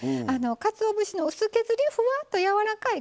かつお節の薄削りふわっとやわらかい